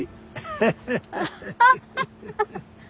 ハハハハ！